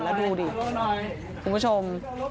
เราดูดิคุณผู้ชม